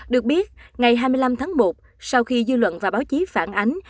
được biết ngày hai mươi năm tháng một sau khi dư luận và báo chí phản ánh